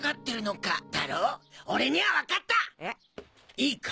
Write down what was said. いいか？